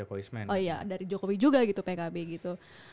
oh iya dari jokowi juga gitu pkb gitu